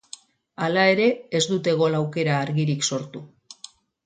Hala ere, ez dute gol aukera argirik sortu.